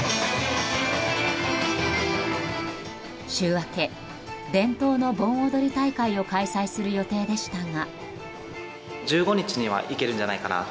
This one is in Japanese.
週明け、伝統の盆踊り大会を開催する予定でしたが。